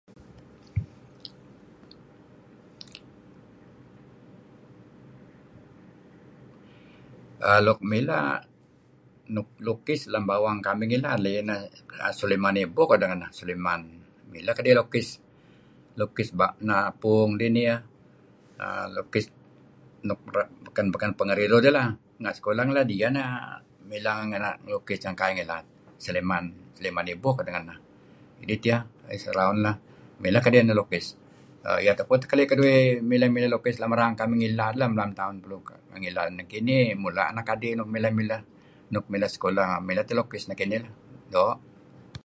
{ah] Luk milah lukis lem bawang kamih ngilad leh iyeh ineh Seliman Ibuh kedeh ngeneh. Seliman, mileh kediyah lukis na' puung dih niyah err lukis nuk beken-beken peh ngeriruh dih lah renga' ngi sekulah ngilad iyeh neh doo' ileh lukis ngan kaih ngilad, Seliman, Seliman Ibuh kedeh ngenah. Idih tiyeh, he's around lah, mileh kediyeh lukis. Iyeh tupu teh keli' keduih mileh-mileh lukis lem erang kamih ngilad lem tahun. [unintelligible] Nekinih mula' anak adi' nuk mileh-mileh sekulah, mileh deh lukis. Nekinih doo' .